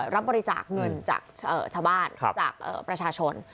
รับบริจาคเงินจากชาวบ้านจากประชาชน